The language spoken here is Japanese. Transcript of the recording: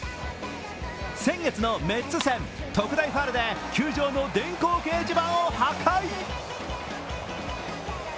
先月のメッツ戦、特大ファウルで球場の電光掲示板を破壊。